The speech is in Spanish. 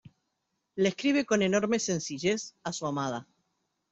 Le escribe con enorme sencillez, a su amada.